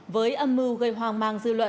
với âm mưu gây hoang mang